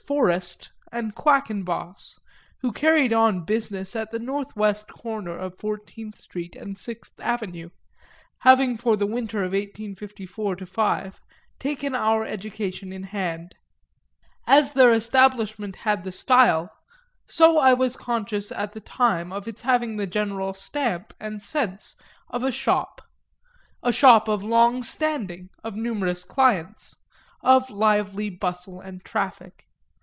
Forest and Quackenboss, who carried on business at the northwest corner of Fourteenth Street and Sixth Avenue, having for the winter of 1854 5 taken our education in hand. As their establishment had the style, so I was conscious at the time of its having the general stamp and sense, of a shop a shop of long standing, of numerous clients, of lively bustle and traffic.